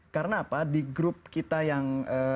karena apa di grup kita yang